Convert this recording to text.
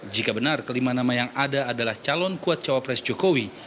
jika benar kelima nama yang ada adalah calon kuat cawapres jokowi